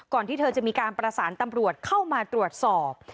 ที่เธอจะมีการประสานตำรวจเข้ามาตรวจสอบ